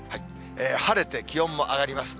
晴れて気温も上がります。